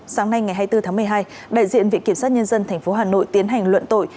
sáng nay ngày hai mươi bốn tháng một mươi hai đại diện viện kiểm sát nhân dân tp hà nội tiến hành luận tội